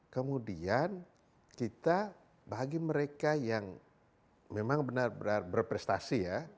kemudian kita bagi mereka yang memang benar benar berprestasi ya